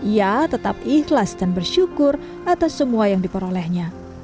ia tetap ikhlas dan bersyukur atas semua yang diperolehnya